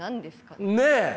ねえ！